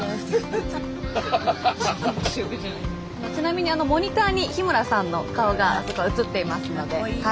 ちなみにモニターに日村さんの顔が映っていますので。